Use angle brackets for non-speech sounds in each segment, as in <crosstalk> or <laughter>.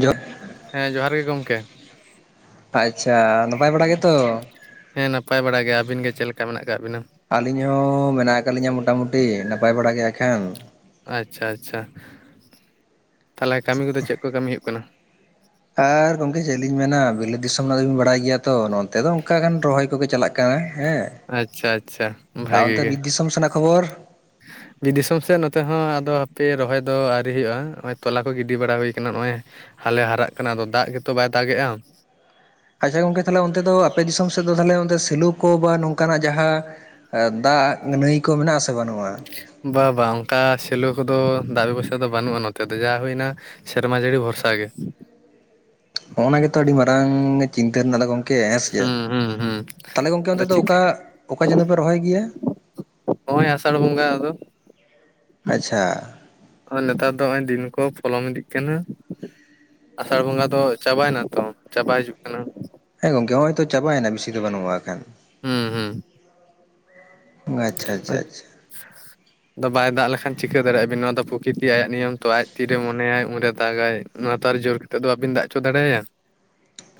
ᱡᱚᱜ <inaudible> ᱦᱮᱸ ᱡᱚᱦᱟᱨ ᱜᱮ ᱜᱚᱢᱠᱮ ᱟᱪᱪᱷᱟ ᱱᱟᱯᱟᱭ ᱵᱟᱲᱟ ᱜᱮᱛᱚ? ᱦᱮᱸ ᱱᱟᱯᱟᱭ ᱵᱟᱲᱟ ᱜᱮ, ᱟᱹᱵᱤᱱ ᱜᱮ ᱪᱮᱫ ᱞᱮᱠᱟ ᱢᱮᱱᱟᱜ ᱟᱠᱟᱜ ᱵᱤᱱᱟ? ᱟᱹᱞᱤᱧ ᱦᱚᱸ ᱢᱮᱱᱟᱜ ᱟᱠᱟᱫ ᱞᱤᱧᱟ ᱢᱚᱴᱟᱢᱩᱴᱤ ᱱᱟᱯᱟᱭ ᱵᱟᱲᱟ ᱜᱮ ᱮᱠᱷᱟᱱ ᱟᱪᱪᱷᱟ ᱟᱪᱪᱷᱟ, ᱛᱟᱦᱚᱞᱮ ᱠᱟᱹᱢᱤ ᱠᱚᱫᱚ ᱪᱮᱫ ᱠᱚ ᱠᱟᱹᱢᱤ ᱦᱩᱭᱩᱜ ᱠᱟᱱᱟ? ᱟᱨ ᱜᱚᱢᱠᱮ ᱪᱮᱫ ᱞᱤᱧ ᱢᱮᱱᱟ ᱵᱤᱞᱟᱹᱛ ᱫᱤᱥᱚᱢ ᱨᱮᱱᱟᱜ ᱫᱚᱵᱤᱱ ᱵᱟᱲᱟᱭ ᱜᱮᱭᱟ ᱛᱚ ᱱᱚᱱᱛᱮ ᱫᱚ ᱚᱱᱠᱟ ᱜᱟᱱ ᱨᱚᱦᱚᱭ ᱠᱚᱠᱚ ᱪᱟᱞᱟᱜ ᱠᱟᱱᱟ ᱠᱟᱱᱟ ᱦᱮᱸ, ᱟᱪᱪᱷᱟ ᱟᱪᱪᱷᱟ ᱟᱨ ᱵᱷᱟᱜᱤ ᱚᱱᱛᱮ ᱜᱮ ᱵᱤᱨ ᱫᱤᱥᱚᱢ ᱠᱷᱚᱵᱚᱨ? ᱵᱤᱨ ᱫᱤᱥᱚᱢ ᱥᱮᱫ ᱱᱚᱛᱮ ᱦᱚᱸ ᱟᱫᱚ ᱦᱟᱯᱮ ᱨᱚᱦᱚᱭ ᱫᱚ ᱟᱹᱣᱨᱤ ᱦᱩᱭᱩᱜᱼᱟ ᱱᱚᱜ-ᱚᱭ ᱛᱚᱞᱟ ᱠᱚ ᱜᱤᱰᱤ ᱵᱟᱲᱟ ᱦᱩᱭ ᱠᱟᱱᱟ ᱱᱚᱜᱼᱚᱭ ᱦᱟᱞᱮ ᱦᱟᱨᱟᱜ ᱠᱟᱱᱟ ᱟᱫᱚ ᱫᱟᱜ ᱜᱮᱛᱚ ᱵᱟᱭ ᱫᱟᱜ ᱜᱮᱼᱟ ᱟᱪᱪᱷᱟ ᱜᱚᱝᱠᱮ ᱛᱟᱦᱞᱮ ᱚᱱᱛᱮ ᱫᱚ ᱟᱯᱮ ᱫᱤᱥᱚᱢ ᱥᱮᱫ ᱫᱚ ᱛᱟᱦᱞᱮ ᱚᱱᱛᱮ ᱥᱮᱞᱩ ᱠᱚ ᱵᱟ ᱱᱚᱝᱠᱟᱱᱟᱜ ᱡᱟᱦᱟᱸ ᱫᱟᱜ ᱱᱟᱹᱭ ᱠᱚ ᱢᱮᱱᱟᱜᱼᱟ ᱥᱮ ᱵᱟᱹᱱᱩᱜᱼᱟ? ᱵᱟ ᱵᱟᱝ ᱚᱱᱠᱟ ᱥᱮᱞᱳ ᱠᱚᱫᱚ ᱫᱟᱜ ᱵᱮᱵᱚᱥᱷᱟ ᱫᱚ ᱵᱟᱹᱱᱩᱜᱼᱟ ᱱᱚᱛᱮ ᱫᱚ ᱡᱟ ᱦᱩᱭᱱᱟ ᱥᱮᱨᱢᱟ ᱡᱟᱹᱲᱤ ᱵᱷᱚᱨᱥᱟ ᱜᱮ ᱦᱚᱸᱜᱼ ᱚᱱᱟ ᱜᱮᱛᱚ ᱟᱹᱰᱤ ᱢᱟᱨᱟᱝ ᱪᱤᱱᱛᱟᱹ ᱨᱮᱱᱟᱜ ᱫᱚ ᱜᱚᱝᱠᱮ ᱦᱮᱸ ᱥᱮ ᱪᱮᱫ, ᱦᱩᱸ ᱦᱩᱸ ᱦᱩᱸ ᱛᱟᱦᱚᱞᱮ ᱜᱚᱢᱠᱮ ᱚᱱᱛᱮ ᱟᱫᱚ ᱫᱚ ᱪᱤᱠᱟᱹ ᱚᱠᱟ ᱚᱠᱟ ᱪᱟᱸᱫᱳ ᱯᱮ ᱨᱚᱦᱚᱭ ᱜᱮᱭᱟ? ᱱᱚᱜᱼᱚᱭ ᱟᱥᱟᱲ ᱵᱚᱸᱜᱟ ᱟᱫᱚ ᱟᱪᱪᱷᱟ ᱱᱮᱛᱟᱨ ᱫᱚ ᱱᱚᱜᱼᱚᱭ ᱫᱤᱱ ᱠᱚ ᱯᱚᱞᱚᱢ ᱤᱫᱤᱜ ᱠᱟᱱᱟ ᱟᱥᱟᱲ ᱵᱚᱸᱜᱟ ᱫᱚ ᱪᱟᱵᱟᱭᱱᱟ ᱛᱚ ᱪᱟᱵᱟ ᱦᱤᱡᱩᱜ ᱠᱟᱱᱟ ᱦᱮᱸ ᱜᱚᱝᱠᱮ ᱱᱚᱜᱼᱚᱭ ᱛᱚ ᱪᱟᱵᱟᱮᱱᱟ ᱵᱮᱥᱤ ᱫᱚ ᱵᱟᱹᱱᱩᱜᱼᱟ ᱮ ᱠᱷᱟᱱ ᱦᱩᱸ ᱦᱩᱸ ᱟᱪᱪᱷᱟ ᱟᱪᱪᱷᱟ ᱟᱪᱪᱷᱟ <inaudible> ᱟᱫᱚ ᱵᱟᱭ ᱫᱟᱜ ᱞᱮᱠᱷᱟᱱ ᱪᱤᱠᱟᱹ ᱫᱟᱲᱮᱭᱟᱜᱼᱟ ᱵᱤᱱ ᱱᱚᱣᱟ ᱫᱚ ᱯᱨᱚᱠᱤᱛᱤ ᱟᱭᱟᱜ ᱱᱤᱭᱚᱢ ᱛᱚ ᱟᱡ ᱛᱤᱨᱮ ᱢᱚᱱᱮᱭᱟᱭ ᱩᱱᱨᱮ ᱫᱟᱜᱟᱭ ᱚᱱᱟ ᱛᱚ ᱟᱨ ᱡᱳᱨ ᱠᱟᱛᱮᱫ ᱫᱚ ᱵᱟᱵᱤᱱ ᱫᱟᱜ ᱚᱪᱚ ᱫᱟᱲᱮᱟᱭᱟ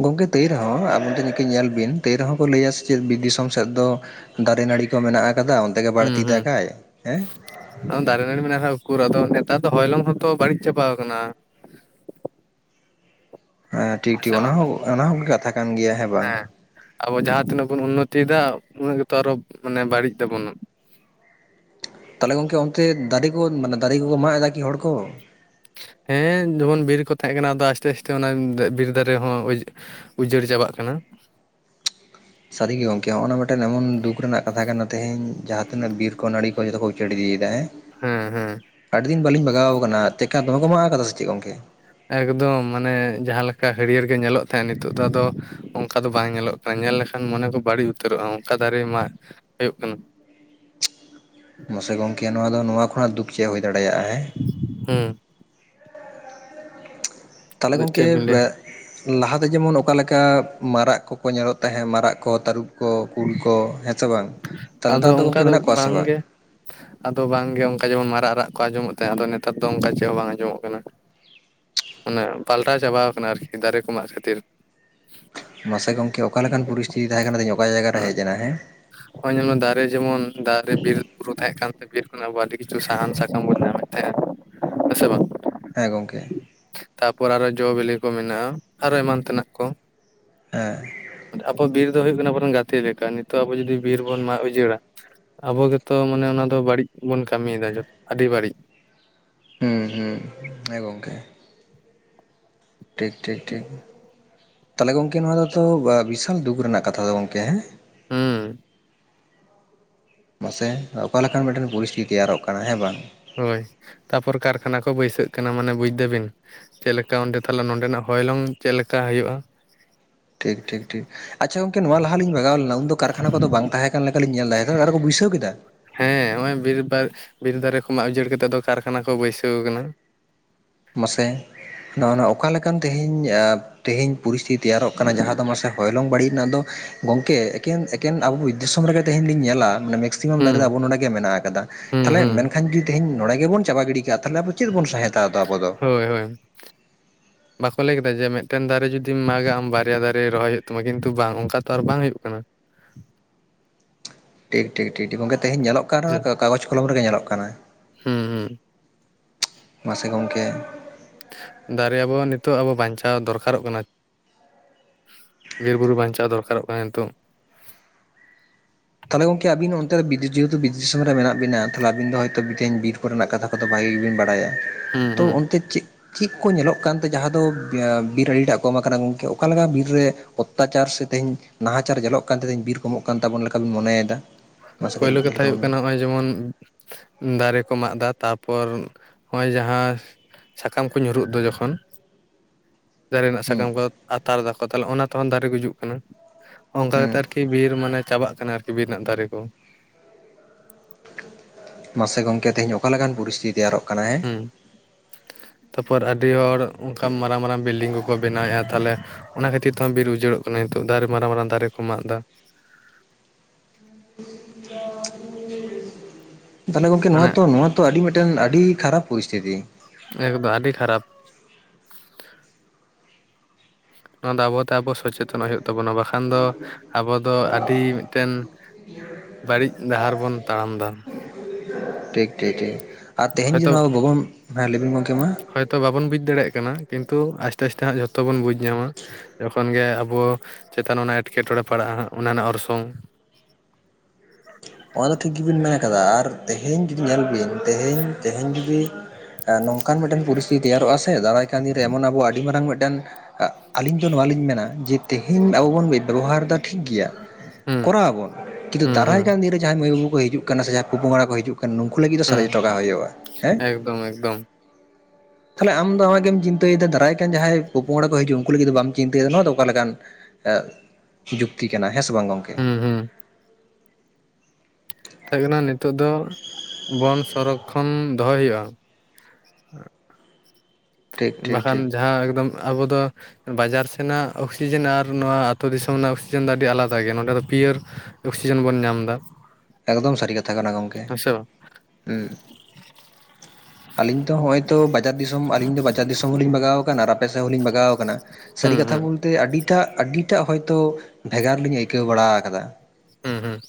ᱜᱚᱢᱠᱮ ᱛᱟᱹᱭ ᱨᱮᱦᱚᱸ ᱟᱵᱤᱱ ᱴᱮᱱ ᱠᱤᱱ ᱧᱮᱞ ᱵᱤᱱ ᱛᱟᱹᱭ ᱨᱮᱦᱚᱸ ᱠᱚ ᱞᱟᱹᱭᱟ ᱥᱮ ᱪᱮᱫ ᱫᱤᱥᱚᱢ ᱥᱮᱫ ᱫᱚ ᱫᱟᱨᱮ ᱱᱟᱹᱲᱤ ᱠᱚ ᱢᱮᱱᱟᱜ ᱟᱠᱟᱫᱟ ᱜᱮ ᱦᱩᱸ ᱵᱟᱹᱲᱛᱤ ᱦᱩᱸ ᱫᱟᱜᱟᱭ ᱦᱮᱸ ᱟᱫᱚ ᱫᱟᱨᱮ ᱱᱟᱹᱲᱤ ᱢᱮᱱᱟᱜᱼᱟ ᱩᱠᱩᱨ ᱟᱫᱚ ᱱᱮᱛᱟᱨ ᱫᱚ ᱦᱚᱭᱞᱚᱝ ᱦᱚᱸᱛᱚ ᱵᱟᱹᱲᱤᱡ ᱪᱟᱵᱟ ᱟᱠᱟᱱᱟ ᱦᱮᱸ ᱴᱷᱤᱠ ᱥᱮ ᱴᱷᱤᱠ ᱚᱱᱟ ᱵᱟᱝ ᱦᱚᱸ ᱚᱱᱟ ᱦᱚᱸ ᱠᱟᱛᱷᱟ ᱠᱟᱱ ᱜᱮᱭᱟ ᱦᱮᱸ ᱵᱟᱝ ᱟᱵᱚ ᱡᱟᱦᱟᱸ ᱛᱤᱱᱟᱹᱜ ᱵᱚᱱ ᱩᱱᱱᱚᱛᱤᱭᱮᱫᱟ ᱩᱱᱟᱹᱜ ᱜᱮᱛᱚ ᱟᱨᱚ ᱢᱟᱱᱮ ᱵᱟᱹᱲᱤᱡ ᱫᱟᱵᱚᱱᱟ ᱛᱟᱦᱚᱞᱮ ᱜᱚᱢᱠᱮ ᱚᱱᱛᱮ ᱫᱟᱨᱮ ᱠᱚ ᱢᱟᱱᱮ ᱫᱟᱨᱮ ᱠᱚᱠᱚ ᱢᱟᱜ ᱮᱫᱟ ᱠᱤ ᱦᱚᱲ ᱠᱚ ᱦᱮᱸ ᱡᱮᱢᱚᱱ ᱵᱤᱨ ᱠᱚ ᱛᱟᱦᱮᱸ ᱠᱟᱱᱟ ᱟᱫᱚ ᱟᱥᱛᱮ ᱟᱥᱛᱮ ᱚᱱᱟ ᱵᱤᱨ ᱫᱟᱨᱮ ᱦᱚᱸᱳ ᱩᱡᱟᱹᱲ ᱪᱟᱵᱟᱜ ᱠᱟᱱᱟ ᱥᱟᱹᱨᱤ ᱜᱮ ᱜᱚᱝᱠᱮ ᱦᱚᱸ ᱚᱱᱟ ᱢᱤᱫᱴᱮᱱ ᱮᱢᱚᱱ ᱫᱩᱠ ᱨᱮᱱᱟᱜ ᱠᱟᱛᱷᱟ ᱠᱟᱱᱟ ᱛᱮᱦᱤᱧ ᱡᱟᱦᱟᱸ ᱛᱤᱱᱟᱹᱜ ᱵᱤᱨ ᱠᱚ ᱱᱟᱹᱲᱤ ᱠᱚ ᱡᱚᱛᱚ ᱠᱚ ᱩᱡᱟᱹᱲ ᱤᱫᱤᱭᱮᱫᱟ ᱦᱮᱸ ᱦᱮᱸ ᱦᱮᱸ ᱟᱹᱰᱤ ᱫᱤᱱ ᱵᱟᱹᱞᱤᱧ ᱵᱟᱜᱟᱣ ᱟᱠᱟᱱᱟ ᱪᱮᱠᱟ ᱫᱚᱢᱮ ᱠᱚ ᱢᱟᱜ ᱠᱟᱫᱟ ᱥᱮ ᱪᱮᱫ ᱜᱚᱝᱠᱮ ᱮᱠᱫᱚᱢ ᱢᱟᱱᱮ ᱡᱟᱦᱟᱸ ᱞᱮᱠᱟ ᱦᱟᱹᱲᱭᱟᱹᱲ ᱜᱮ ᱧᱮᱞᱚᱜ ᱛᱟᱦᱮᱸᱫ ᱱᱤᱛᱚᱜ ᱫᱚ ᱟᱫᱚ ᱼᱼ ᱚᱱᱠᱟ ᱫᱚ ᱵᱟᱝ ᱧᱮᱞᱚᱜ ᱠᱟᱱᱟ ᱧᱮᱞ ᱞᱮᱠᱷᱟᱱ ᱢᱚᱱᱮ ᱠᱚ ᱵᱟᱹᱲᱤᱡ ᱩᱛᱟᱹᱨᱚᱜᱼᱟ᱾ ᱚᱱᱠᱟ ᱫᱟᱨᱮ ᱢᱟᱜ ᱦᱩᱭᱩᱜ ᱠᱟᱱᱟ। ᱢᱟᱥᱮ ᱜᱚᱢᱠᱮ ᱱᱚᱣᱟ ᱫᱚ ᱱᱚᱣᱟ ᱠᱷᱚᱱᱟᱜ ᱫᱩᱠᱷ ᱪᱮᱫ ᱦᱩᱭ ᱫᱟᱲᱮᱭᱟᱜᱼᱟ ᱦᱮᱸ? ᱦᱩᱸ ᱛᱟᱦᱟᱞᱮ ᱟᱫᱚ ᱜᱚᱢᱠᱮ ᱪᱮᱫ ᱵᱤᱱ ᱞᱟᱹᱭᱟ ᱼᱻ ᱞᱟᱦᱟᱛᱮ ᱡᱮᱢᱚᱱ ᱚᱠᱟᱮᱠᱟ ᱢᱟᱨᱟᱜ ᱠᱚᱠᱚ ᱧᱮᱞᱚᱜ ᱛᱟᱦᱮᱸᱫ ᱢᱟᱨᱟᱜ ᱠᱚ ᱛᱟᱹᱨᱩᱵ ᱠᱚ ᱠᱩᱞ ᱠᱚ᱾ <unintelligible> ᱥᱮ ᱵᱟᱝ ᱛᱟᱦᱟᱞᱮ ᱱᱮᱛᱟᱨ ᱟᱫᱚ ᱫᱚ ᱜᱚᱝᱠᱮ ᱚᱱᱠᱟ ᱢᱮᱱᱟᱜ ᱠᱚᱣᱟ ᱥᱮ ᱵᱟᱝ? ᱵᱟᱝᱜᱮ <inaudible> ᱟᱫᱚ ᱵᱟᱝᱜᱮ ᱚᱱᱠᱟ ᱡᱮᱢᱚᱱ ᱢᱟᱨᱟᱜ ᱨᱟᱜ ᱠᱚ ᱟᱸᱡᱚᱢᱚᱜ ᱛᱟᱦᱮᱸ ᱟᱫᱚ ᱱᱮᱛᱟᱨ ᱫᱚ ᱚᱱᱠᱟ ᱪᱮᱫ ᱦᱚᱸ ᱵᱟᱝ ᱟᱸᱡᱚᱢᱚᱜ ᱠᱟᱱᱟ। ᱢᱟᱱᱮ ᱯᱟᱞᱴᱟᱣ ᱪᱟᱵᱟᱣ ᱟᱠᱟᱱᱟ ᱟᱨᱠᱤ ᱫᱟᱨᱮ ᱠᱚ ᱢᱟᱜ ᱠᱷᱟᱹᱛᱤᱨ। ᱢᱟᱥᱮ ᱜᱚᱢᱠᱮ ᱚᱠᱟ ᱞᱮᱠᱟᱱ ᱯᱚᱨᱤᱥᱛᱷᱤᱛᱤ ᱛᱟᱦᱮᱸ ᱠᱟᱱᱟ ᱛᱮᱦᱮᱧ ᱚᱠᱟ ᱡᱟᱭᱜᱟᱨᱮ ᱦᱮᱡ ᱮᱱᱟ ᱦᱮᱸ? <unintelligible> ᱱᱚᱜᱼᱚᱭ ᱧᱮᱞᱢᱮ ᱫᱟᱨᱮ ᱡᱮᱢᱚᱱ ᱫᱟᱨᱮ ᱵᱤᱨ ᱵᱩᱨᱩ ᱛᱟᱦᱮᱸ ᱠᱟᱱ ᱛᱮ ᱵᱤᱨ ᱠᱷᱚᱱ ᱟᱵᱚ ᱟᱹᱰᱤ ᱠᱤᱪᱷᱩ ᱥᱟᱦᱟᱱ ᱥᱟᱠᱟᱢ ᱵᱚᱱ ᱧᱟᱢᱮᱫ ᱛᱟᱦᱮᱸᱜᱼᱟ। ᱦᱮᱸ ᱥᱮ ᱵᱟᱝ? ᱦᱮᱸ ᱜᱚᱢᱠᱮ। ᱛᱟᱨᱯᱚᱨ ᱟᱨᱚ ᱡᱚ ᱵᱤᱞᱤ ᱠᱚ ᱢᱮᱱᱟᱜᱼᱟ ᱟᱨᱚ ᱮᱢᱟᱱ ᱛᱮᱱᱟᱜ ᱠᱚ। ᱦᱮᱸ ᱟᱵᱚ ᱵᱤᱨ ᱫᱚ ᱦᱩᱭᱩᱜ ᱠᱟᱱᱟ ᱟᱵᱚᱨᱮᱱ ᱜᱟᱛᱮ ᱞᱮᱠᱟ᱾ ᱱᱤᱛᱚᱜ ᱟᱵᱚ ᱡᱩᱫᱤ ᱵᱤᱨ ᱵᱚᱱ ᱢᱟᱜ ᱩᱡᱟᱹᱲᱟ। ᱟᱵᱚ ᱜᱮᱛᱚ ᱢᱟᱱᱮ ᱚᱱᱟ ᱫᱚ ᱵᱟᱹᱲᱤᱡ ᱵᱚᱱ ᱠᱟᱹᱢᱤᱭᱮᱫᱟ ᱟᱹᱰᱤ ᱵᱟᱹᱲᱤᱡ। ᱦᱩᱸ ᱦᱩᱸ ᱦᱮᱸ ᱜᱚᱝᱠᱮ। ᱴᱷᱤᱠ ᱴᱷᱤᱠ ᱴᱷᱤᱠ ᱛᱟᱦᱟᱞᱮ ᱜᱚᱢᱠᱮ ᱱᱚᱣᱟ ᱫᱚᱛᱚ ᱵᱤᱥᱟᱞ ᱫᱩᱠᱷ ᱨᱮᱱᱟᱜ ᱠᱟᱛᱷᱟ ᱫᱚ ᱜᱚᱢᱠᱮ ᱦᱮᱸ? ᱦᱩᱸ ᱢᱟᱥᱮ ᱚᱠᱟ ᱞᱮᱠᱟᱱ ᱢᱤᱫᱴᱮᱱ ᱯᱚᱨᱤᱥᱛᱷᱤᱛᱤ ᱛᱮᱭᱟᱨᱚᱜ ᱠᱟᱱᱟ ᱦᱮᱸ ᱵᱟᱝ? ᱦᱳᱭ ᱛᱟᱨᱯᱚᱨ ᱠᱟᱨᱠᱷᱟᱱᱟ ᱠᱚ ᱵᱟᱹᱭᱥᱟᱹᱜ ᱠᱟᱱᱟ ᱢᱟᱱᱮ ᱵᱩᱡᱽ ᱫᱟᱵᱤᱱ? ᱪᱮᱫ ᱞᱮᱠᱟ ᱚᱸᱰᱮ ᱛᱟᱦᱟᱞᱮ ᱱᱚᱰᱮᱱᱟᱜ ᱦᱚᱭᱞᱚᱝ ᱪᱮᱫ ᱞᱮᱠᱟ ᱦᱩᱭᱩᱜᱼᱟ? ᱴᱷᱤᱠ ᱴᱷᱤᱠ ᱴᱷᱤᱠ ᱟᱪᱪᱷᱟ ᱜᱚᱝᱠᱮ ᱱᱚᱣᱟ ᱞᱟᱦᱟ ᱞᱤᱧ ᱵᱟᱜᱟᱣ ᱩᱱ ᱫᱚ ᱠᱟᱨᱠᱷᱟᱱᱟ ᱠᱚᱫᱚ ᱵᱟᱝ ᱛᱟᱦᱮᱸ ᱠᱟᱱ ᱞᱮᱠᱟᱞᱤᱧ ᱧᱮᱞ ᱫᱟ ᱟᱫᱚ ᱠᱚ ᱵᱟᱹᱭᱥᱟᱹᱣ ᱠᱮᱫᱟ? ᱦᱮᱸ ᱱᱚᱜᱼᱚᱭ ᱵᱤᱨ ᱵᱟᱨ ᱫᱟᱨᱮ ᱠᱚ ᱢᱟᱜ ᱩᱡᱟᱹᱲ ᱠᱟᱛᱮᱜ ᱟᱫᱚ ᱠᱟᱨᱠᱷᱟᱱᱟ ᱠᱚ ᱵᱟᱹᱭᱥᱟᱹᱣ ᱠᱟᱱᱟ। ᱢᱟᱥᱮ ᱱᱚᱜᱼᱚᱭ ᱱᱚᱣᱟ ᱚᱠᱟᱞᱮᱠᱟᱱ ᱛᱮᱦᱮᱧ ᱼᱼ ᱛᱮᱦᱮᱧ ᱯᱚᱨᱤᱥᱛᱤᱛᱤ ᱛᱮᱭᱟᱨᱚᱜ ᱠᱟᱱᱟ ᱡᱟᱦᱟᱸ ᱫᱚ ᱢᱟᱥᱮ ᱦᱚᱭᱞᱚᱝ ᱵᱟᱹᱲᱤᱡ ᱨᱮᱱᱟᱜ ᱫᱚ ᱼᱼ ᱜᱚᱢᱠᱮ ᱮᱠᱮᱱ ᱥᱮᱠᱮᱱ ᱟᱵᱚ ᱫᱤᱥᱚᱢ ᱨᱮᱜᱮ ᱛᱮᱦᱮᱧ ᱞᱤᱧ ᱧᱮᱞᱟ ᱼᱼ ᱢᱮᱠᱥᱤᱢᱟᱢ ᱫᱟᱨᱮ ᱫᱚ ᱦᱩᱸ ᱟᱵᱚ ᱱᱚᱰᱮ ᱜᱮ ᱢᱮᱱᱟᱜ ᱟᱠᱟᱫᱟ ᱦᱩᱸ ᱛᱟᱦᱟᱞᱮ ᱦᱩᱸ ᱢᱮᱱᱠᱷᱟᱱ ᱡᱩᱫᱤ ᱛᱮᱦᱮᱧ ᱱᱚᱰᱮ ᱜᱮᱵ ᱪᱟᱵᱟ ᱜᱤᱰᱤ ᱠᱟᱜᱼᱟ ᱛᱟᱦᱟᱞᱮ ᱟᱵᱚᱱ ᱪᱮᱫᱚᱱ ᱥᱦᱟᱣᱫᱟ? ᱦᱳᱭ ᱦᱳᱭ ᱵᱟᱠᱚ ᱞᱟᱹᱭ ᱠᱮᱫᱟ ᱡᱮ ᱢᱤᱫᱴᱮᱱ ᱫᱟᱨᱮ ᱡᱩᱫᱤᱢ ᱢᱟᱜᱟ ᱟᱢ ᱵᱟᱨᱭᱟ ᱫᱟᱨᱮ ᱨᱚᱦᱚᱭ ᱦᱩᱭᱩᱜ ᱛᱟᱢᱟ ᱠᱤᱱᱛᱩ ᱵᱟᱝ ᱚᱱᱠᱟ ᱛᱚ ᱟᱨ ᱵᱟᱝ ᱦᱩᱭᱩᱜ ᱠᱟᱱᱟ। ᱴᱷᱤᱠ ᱴᱷᱤᱠ ᱴᱷᱤᱠ ᱴᱷᱤᱠ ᱜᱚᱢᱠᱮ ᱛᱮᱦᱮᱧ ᱧᱮᱞᱚᱜ ᱠᱟᱱ ᱦᱮᱸᱥᱮ᱾ ᱨᱚᱦᱚᱸ ᱛᱚ ᱠᱟᱜᱚᱡᱽ ᱠᱚᱞᱚᱢ ᱨᱮᱜᱮ ᱧᱮᱞᱚᱜ ᱠᱟᱱᱟ। ᱦᱩᱸ ᱦᱩᱸ ᱢᱟᱥᱮ ᱜᱚᱢᱠᱮ ᱼᱼ ᱫᱟᱨᱮ ᱟᱵᱚ ᱱᱤᱛᱚᱜ ᱟᱵᱚ ᱵᱟᱧᱪᱟᱣ ᱫᱚᱨᱠᱟᱨᱚᱜ ᱠᱟᱱᱟ। ᱵᱤᱨᱵᱩᱨᱩ ᱵᱟᱧᱪᱟᱣ ᱫᱚᱨᱠᱟᱨᱚᱜ ᱠᱟᱱᱟ ᱱᱤᱛᱚᱜ। ᱛᱟᱦᱟᱞᱮ ᱜᱚᱝᱠᱮ ᱟᱵᱤᱱ ᱚᱱᱛᱮ ᱫᱚ <unintelligible> ᱡᱮᱦᱮᱛᱩ ᱵᱤᱨ ᱫᱤᱥᱚᱢ ᱨᱮ ᱢᱮᱱᱟᱜ ᱵᱤᱱᱟ ᱛᱟᱦᱟᱞᱮ ᱟᱵᱤᱱ ᱫᱚ ᱦᱚᱭᱛᱳ ᱛᱤᱦᱤᱧ ᱵᱤᱨ ᱠᱚ ᱨᱮᱱᱟᱜ ᱠᱟᱛᱷᱟ ᱼᱼ ᱠᱚᱫᱚ ᱵᱷᱟᱜᱤ ᱜᱮᱵᱤᱱ ᱵᱟᱲᱟᱭᱟ᱾ ᱦᱩᱸ ᱛᱚ ᱦᱩᱸ ᱚᱱᱛᱮ ᱪᱮᱫ ᱼᱼ ᱪᱮᱫ ᱠᱚ ᱧᱮᱞᱚᱜ ᱠᱟᱱᱛᱮ ᱡᱟᱦᱟᱸ ᱫᱚ ᱵᱤᱨ ᱟᱰᱤᱴᱟᱜ ᱠᱚᱢ ᱟᱠᱟᱱᱟ ᱜᱚᱢᱠᱮ? ᱚᱠᱟᱞᱮᱠᱟ ᱵᱤᱨ ᱨᱮ ᱼᱼ ᱚᱛᱛᱟᱪᱟᱨ ᱥᱮ ᱛᱮᱦᱮᱧ ᱱᱟᱦᱟᱪᱟᱨ ᱧᱟᱞᱚᱜ ᱠᱟᱱ ᱛᱮ ᱛᱮᱦᱮᱧ ᱵᱤᱨ ᱠᱚᱢᱚᱜ ᱠᱟᱱ ᱛᱟᱵᱚᱱ ᱞᱮᱠᱟ ᱵᱚᱱ ᱢᱚᱱᱮᱭᱮᱫᱟ। ᱢᱟᱥᱮ ᱠᱟᱹᱡ ᱯᱳᱭᱞᱳ ᱞᱟᱹᱭ ᱠᱟᱛᱷᱟ ᱛᱟᱵᱚᱱ ᱦᱩᱭᱩᱜ ᱵᱤᱱ ᱠᱟᱱᱟ ᱱᱚᱜᱼᱚᱭ ᱡᱮᱢᱚᱱ ᱼᱼ ᱫᱟᱨᱮ ᱠᱚ ᱢᱟᱜ ᱮᱫᱟ ᱛᱟᱨᱯᱚᱨ ᱱᱚᱜᱼᱚᱭ ᱡᱟᱦᱟᱸ ᱼᱼ ᱥᱟᱠᱟᱢ ᱠᱚ ᱧᱩᱨᱩᱜ ᱫᱚ ᱡᱚᱠᱷᱚᱱ᱾ ᱫᱟᱨᱮ ᱨᱮᱱᱟᱜ ᱦᱩᱸ ᱥᱟᱠᱟᱢ ᱠᱚ ᱟᱛᱟᱨ ᱮᱫᱟᱠᱚ ᱛᱟᱦᱟᱞᱮ ᱚᱱᱟ ᱛᱮᱦᱚᱸ ᱫᱟᱨᱮ ᱜᱩᱡᱩᱜ ᱠᱟᱱᱟ। ᱚᱱᱠᱟ ᱠᱟᱛᱮ ᱦᱩᱸ ᱟᱨᱠᱤ ᱵᱤᱨ ᱢᱟᱱᱮ ᱪᱟᱵᱟᱜ ᱠᱟᱱᱟ ᱟᱨᱠᱤ ᱵᱤᱨ ᱨᱮᱱᱟᱜ ᱫᱟᱨᱮ ᱠᱚ। ᱢᱟᱥᱮ ᱜᱚᱢᱠᱮ ᱛᱮᱦᱮᱧ ᱚᱠᱟ ᱞᱮᱠᱟᱱ ᱯᱚᱨᱤᱥᱛᱷᱤᱛᱤ ᱛᱮᱭᱟᱨᱚᱜ ᱠᱟᱱᱟ ᱦᱮᱸ? ᱛᱟᱯᱚᱨ ᱟᱹᱰᱤ ᱦᱚᱲ ᱚᱱᱠᱟ ᱢᱟᱨᱟᱝ ᱢᱟᱨᱟᱝ ᱵᱤᱞᱰᱤᱝ ᱠᱚᱠᱚ ᱵᱮᱱᱟᱣᱮᱫᱼᱟ ᱛᱟᱦᱚᱞᱮ ᱚᱱᱟ ᱠᱷᱟᱹᱛᱤᱨ ᱛᱮ ᱦᱚᱸ ᱵᱤᱨ ᱩᱡᱟᱹᱲᱚᱜ ᱠᱟᱱᱟ ᱱᱤᱛᱚᱜ ᱫᱟᱨᱮ ᱢᱟᱨᱟᱝ ᱢᱟᱨᱟᱝ ᱫᱟᱨᱮ ᱠᱚ ᱢᱟᱜ ᱮᱫᱟ <inaudible> ᱛᱟᱦᱚᱞᱮ ᱜᱚᱝᱠᱮ ᱱᱚᱣᱟ ᱢᱟᱱᱮ ᱛᱚ ᱱᱚᱣᱟ ᱛᱚ ᱟᱹᱰᱤ ᱢᱤᱫᱴᱮᱱ ᱟᱹᱰᱤ ᱠᱷᱟᱨᱟᱵ ᱯᱚᱨᱤᱥᱛᱷᱤᱛᱤ ᱮᱠᱫᱚ ᱟᱰᱤ ᱠᱷᱟᱨᱟᱯ ᱱᱟᱭᱟ ᱫᱚ ᱟᱵᱚ ᱛᱟᱨ ᱯᱚᱨ ᱥᱚᱪᱮᱛᱚᱱ ᱦᱩᱭᱩᱜ ᱛᱟᱵᱚᱱᱟ ᱵᱟᱝᱠᱷᱟᱱ ᱠᱷᱟᱱ ᱫᱚ ᱟᱵᱚ ᱫᱚ ᱟᱹᱰᱤ ᱢᱤᱫᱴᱮᱱ ᱵᱟᱹᱲᱤᱡ ᱰᱟᱦᱟᱨ ᱵᱚᱱ ᱛᱟᱲᱟᱢ ᱮᱫᱟ ᱴᱷᱤᱠ ᱴᱷᱤᱠ ᱴᱷᱤᱠ ᱟᱨ ᱛᱮᱦᱮᱧ ᱡᱮ ᱦᱚᱭᱛᱚ ᱱᱚᱣᱟ ᱞᱚᱜᱚᱱ ᱦᱮᱸ ᱞᱟᱹᱭᱵᱤᱱ ᱜᱚᱝᱠᱮ ᱢᱟ ᱦᱚᱭᱛᱚ ᱵᱟᱵᱚᱱ ᱵᱩᱡ ᱫᱟᱲᱮᱭᱟᱜ ᱠᱟᱱᱟ ᱠᱤᱱᱛᱩ ᱟᱥᱛᱮ ᱟᱥᱛᱮ ᱦᱟᱸᱜ ᱡᱷᱚᱛᱚ ᱵᱚᱱ ᱵᱩᱡᱽ ᱧᱟᱢᱟ ᱡᱚᱠᱷᱚᱱ ᱜᱮ ᱟᱵᱚ ᱪᱮᱛᱟᱱ ᱚᱱᱟ ᱮᱸᱴᱠᱮ ᱴᱚᱬᱮ ᱯᱟᱲᱟᱜᱼᱟ ᱚᱱᱟ ᱨᱮᱱᱟᱜ ᱚᱨᱥᱚᱝ ᱚᱱᱟ ᱫᱚ ᱴᱷᱤᱠ ᱜᱮ ᱵᱤᱱ ᱢᱮᱱ ᱟᱠᱟᱫᱟ ᱟᱨ ᱛᱮᱦᱤᱧ ᱡᱩᱫᱤ ᱧᱮᱞ ᱵᱤᱱ ᱛᱮᱦᱤᱧ ᱛᱮᱦᱤᱧ ᱡᱩᱫᱤ ᱱᱚᱝᱠᱟᱱ ᱢᱤᱫᱴᱮᱱ ᱯᱚᱨᱤᱥᱛᱷᱤᱛᱤ ᱛᱮᱭᱟᱨᱚᱜᱼᱟ ᱥᱮ ᱫᱟᱨᱟᱭ ᱠᱟᱱ ᱫᱤᱱ ᱨᱮ ᱮᱢᱚᱱ ᱟᱵᱚᱣᱟᱜ ᱟᱹᱰᱤ ᱢᱟᱨᱟᱝ ᱢᱤᱫᱴᱮᱱ ᱟᱹᱞᱤᱧ ᱫᱚ ᱱᱚᱣᱟ ᱞᱤᱧ ᱢᱮᱱᱟ ᱡᱮ ᱛᱮᱦᱮᱧ ᱟᱵᱚ ᱵᱚᱱ ᱵᱮᱵᱚᱦᱟᱨ ᱮᱫᱟ ᱴᱷᱤᱠ ᱜᱮᱭᱟ ᱦᱩᱸ ᱠᱚᱨᱟᱣᱟᱵᱚᱱ ᱠᱤᱱᱛᱩ ᱦᱩᱸ ᱫᱟᱨᱟᱭ ᱦᱩᱸ ᱠᱟᱱ ᱫᱤᱱ ᱨᱮ ᱡᱟᱦᱟᱸᱭ ᱢᱟᱹᱭ ᱵᱟᱹᱵᱩ ᱠᱚ ᱦᱤᱡᱩᱜ ᱠᱟᱱᱟ ᱥᱮ ᱡᱟᱦᱟᱸᱭ ᱯᱚᱼ ᱯᱚᱝᱲᱟ ᱠᱚ ᱦᱤᱡᱩᱜ ᱠᱟᱱᱟ ᱠᱷᱟᱱ ᱱᱩᱠᱩ ᱞᱟᱹᱜᱤᱫ ᱫᱚ ᱦᱩᱸ ᱥᱟᱨᱮᱡ ᱦᱚᱴᱚ ᱠᱟᱜ ᱦᱩᱭᱩᱜᱼᱟ ᱦᱮᱸ ᱮᱠᱫᱚᱢ ᱮᱠᱫᱚᱢ ᱛᱟᱦᱚᱞᱮ ᱟᱢ ᱫᱚ ᱚᱱᱟ ᱜᱮᱢ ᱪᱤᱱᱛᱟᱹ ᱭᱮᱫᱟ ᱫᱟᱨᱟᱭ ᱠᱟᱱ ᱡᱟᱦᱟᱸᱭ ᱯᱚᱼᱯᱚᱝᱲᱟ ᱠᱚ ᱦᱤᱡᱩᱜ ᱩᱱᱠᱩ ᱞᱟᱹᱜᱤᱫ ᱫᱚ ᱵᱟᱢ ᱪᱤᱱᱛᱟᱹ ᱭᱮᱫᱟ ᱱᱚᱣᱟ ᱫᱚ ᱚᱠᱟ ᱞᱮᱠᱟᱱ ᱡᱩᱠᱛᱤ ᱠᱟᱱᱟ ᱦᱮᱸ ᱥᱮ ᱵᱟᱝ ᱜᱚᱢᱠᱮ? ᱦᱩᱸ ᱦᱩᱸ ᱢᱮᱛᱟᱜ ᱠᱟᱱᱟ ᱱᱤᱛᱚᱜ ᱫᱚ ᱵᱚᱱ ᱥᱚᱨᱚᱠ ᱠᱷᱚᱱ ᱫᱚᱦᱚᱭ ᱦᱩᱭᱩᱜᱼᱟ ᱴᱷᱤᱠ ᱴᱷᱤᱠ ᱵᱟᱝᱠᱷᱟᱱ ᱴᱷᱤᱠ ᱡᱟᱦᱟᱸ ᱮᱠᱫᱚᱢ ᱟᱵᱚ ᱫᱚ ᱵᱟᱡᱟᱨ ᱥᱮᱱᱟᱜ ᱚᱠᱥᱤᱡᱮᱱ ᱟᱨ ᱱᱚᱣᱟ ᱟᱹᱛᱩ ᱫᱤᱥᱚᱢ ᱨᱮᱱᱟᱜ ᱚᱠᱥᱤᱡᱮᱱ ᱫᱚ ᱟᱹᱰᱤ ᱟᱞᱟᱫᱟ ᱜᱮᱭᱟ ᱱᱚᱸᱰᱮ ᱫᱚ ᱯᱤᱭᱚᱨ ᱚᱠᱥᱤᱡᱮᱱ ᱵᱚᱱ ᱧᱟᱢ ᱮᱫᱟ᱾ ᱮᱠᱫᱚᱢ ᱥᱟᱹᱨᱤ ᱠᱟᱛᱷᱟ ᱠᱟᱱᱟ ᱜᱚᱝᱠᱮ ᱦᱮᱸ ᱥᱮ ᱵᱟᱝ ᱦᱩᱸ᱾ ᱟᱞᱤᱧ ᱛᱚ ᱦᱚᱜᱼᱚᱭ ᱛᱚ ᱵᱟᱡᱟᱨ ᱫᱤᱥᱚᱢ ᱟᱹᱞᱤᱧ ᱫᱚ ᱵᱟᱡᱟᱨ ᱫᱤᱥᱚᱢ ᱦᱚᱞᱤᱧ ᱵᱟᱜᱟᱣ ᱟᱠᱟᱱᱟ ᱟᱨ ᱟᱯᱮ ᱥᱮᱫ ᱦᱚᱸ ᱞᱤᱧ ᱵᱟᱜᱟᱣ ᱟᱠᱟᱱᱟ ᱥᱟᱹᱨᱤ ᱦᱩᱸ ᱠᱟᱛᱷᱟ ᱦᱩᱸ ᱵᱚᱞᱛᱮ ᱟᱹᱰᱤᱴᱟᱜ ᱟᱹᱰᱤᱴᱟᱜ ᱦᱚᱭᱛᱳ ᱵᱷᱮᱜᱟᱨ ᱞᱤᱧ ᱟᱹᱭᱠᱟᱹᱣ ᱵᱟᱲᱟ ᱟᱠᱟᱫᱟ ᱦᱮᱸ ᱦᱮᱸ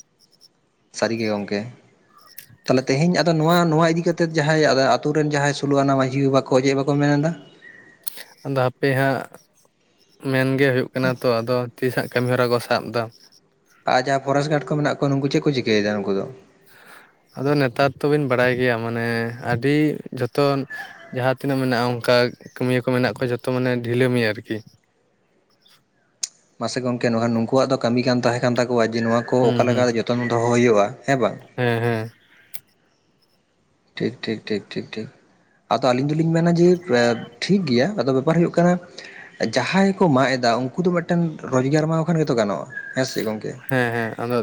ᱥᱟᱹᱨᱤ ᱜᱮ ᱜᱚᱢᱠᱮ <inaudible> ᱛᱟᱦᱚᱞᱮ ᱛᱮᱦᱮᱧ ᱟᱫᱚ ᱱᱚᱣᱟ ᱱᱚᱣᱟ ᱤᱫᱤ ᱠᱟᱛᱮᱫ ᱡᱟᱦᱟᱸᱭ ᱟᱛᱳ ᱨᱮᱱ ᱡᱟᱦᱟᱸᱭ ᱥᱳᱞᱳ ᱟᱱᱟ ᱢᱟᱺᱡᱷᱤ ᱵᱟᱵᱟ ᱠᱚ ᱪᱮᱫ ᱦᱚᱸ ᱵᱟᱠᱚ ᱢᱮᱱ ᱮᱫᱟ? ᱟᱫᱚ ᱦᱟᱯᱮ ᱦᱟᱸᱜ ᱢᱮᱱ ᱜᱮ ᱦᱩᱭᱩᱜ ᱠᱟᱱᱟ ᱛᱚ ᱟᱫᱚ ᱛᱤᱥᱟᱜ ᱠᱟᱹᱢᱤ ᱦᱚᱨᱟ ᱠᱚ ᱥᱟᱵ ᱮᱫᱟ ᱟᱨ ᱡᱟᱦᱟᱸ ᱯᱷᱚᱨᱮᱥᱴ ᱜᱟᱨᱰ ᱠᱚ ᱢᱮᱱᱟᱜ ᱠᱚᱣᱟ ᱱᱩᱠᱩ ᱪᱮᱫ ᱠᱚ ᱪᱤᱠᱟᱹ ᱭᱮᱫᱟ ᱱᱩᱠᱩ ᱫᱚ ᱟᱫᱚ ᱱᱮᱛᱟᱨ ᱫᱚ ᱵᱤᱱ ᱵᱟᱲᱟᱭ ᱜᱮᱫᱟ ᱢᱟᱱᱮ ᱟᱹᱰᱤ ᱡᱚᱛᱚ ᱡᱟᱦᱟᱸ ᱛᱤᱱᱟᱹᱜ ᱢᱮᱱᱟᱜᱼᱟ ᱚᱱᱠᱟ ᱠᱟᱹᱢᱤᱭᱟᱹ ᱠᱚ ᱢᱮᱱᱟᱜ ᱠᱚᱣᱟ ᱡᱚᱛᱚ ᱢᱟᱱᱮ ᱰᱷᱤᱞᱟᱹ ᱢᱮᱭᱟ ᱠᱚ ᱟᱨ ᱠᱤ ᱢᱟᱥᱮ ᱜᱚᱢᱠᱮ ᱱᱚᱣᱟ ᱱᱩᱠᱩᱣᱟᱜ ᱫᱚ ᱠᱟᱹᱢᱤ ᱠᱟᱱ ᱛᱟᱦᱮᱸ ᱠᱟᱱ ᱛᱟᱠᱚᱣᱟ ᱡᱮ ᱱᱚᱣᱟ ᱠᱚ ᱦᱩᱸ ᱚᱠᱟᱞᱮᱠᱟ ᱦᱩᱸ ᱨᱮ ᱡᱚᱛᱚ ᱡᱚᱛᱚᱱ ᱫᱚᱦᱚ ᱦᱩᱭᱩᱜᱼᱟ ᱦᱮᱸ ᱵᱟᱝ ᱦᱮᱸ ᱦᱮᱸ ᱴᱷᱤᱠ ᱴᱷᱤᱠ ᱴᱷᱤᱠ ᱴᱷᱤᱠ ᱴᱷᱤᱠ ᱟᱫᱚ ᱟᱞᱤᱧ ᱫᱚᱞᱤᱧ ᱢᱮᱱᱟ ᱡᱮ ᱴᱷᱤᱠ ᱜᱮᱭᱟ ᱟᱫᱚ ᱵᱮᱯᱟᱨ ᱦᱩᱭᱩᱜ ᱠᱟᱱᱟ ᱡᱟᱦᱟᱸᱭ ᱠᱚ ᱢᱟᱜ ᱮᱫᱟ ᱩᱱᱠᱩ ᱫᱚ ᱢᱤᱫᱴᱮᱱ ᱨᱳᱡᱽᱜᱟᱨ ᱮᱢᱟᱣᱟᱫ ᱠᱚᱠᱷᱟᱱ ᱜᱮ ᱛᱚ ᱜᱟᱱᱚᱜᱼᱟ ᱦᱮᱸᱥᱮ ᱜᱚᱝᱠᱮ ᱦᱮᱸ ᱦᱮᱸ ᱟᱫᱚ